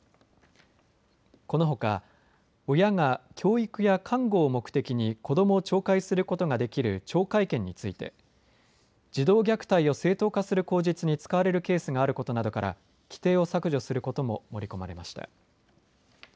このほか、親が教育や監護を目的に子どもを懲戒することができる懲戒権について児童虐待を正当化する口実に使われるケースがあることなどから規定を削除することも盛り込まれました。